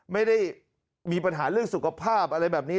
ไม่ได้มีปัญหาเรื่องสุขภาพอะไรแบบนี้